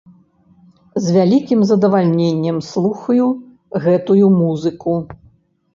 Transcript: З вялікім задавальненнем слухаю гэтую музыку.